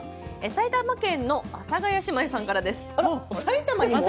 埼玉県の阿佐ヶ谷姉妹さんからです。